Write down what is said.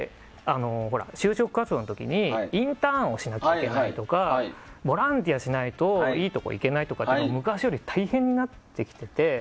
就職活動の時にインターンをしなきゃいけないとかボランティアしないといいとこ行けないとか昔より大変になってきてて。